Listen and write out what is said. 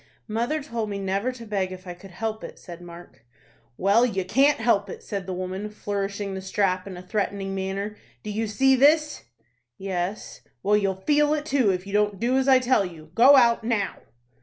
"Mother told me never to beg if I could help it," said Mark. "Well, you can't help it," said the woman, flourishing the strap in a threatening manner. "Do you see this?" "Yes." "Well, you'll feel it too, if you don't do as I tell you. Go out now."